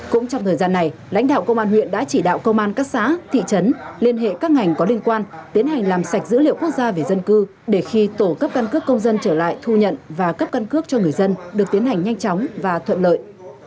cũng trong thời gian này lãnh đạo công an huyện đã chỉ đạo công an các xã thị trấn liên hệ các ngành có liên quan tiến hành làm sạch dữ liệu quốc gia về dân cư để khi tổ cấp căn cước công dân trở lại thu nhận và cấp căn cước cho người dân được tiến hành nhanh chóng và thuận lợi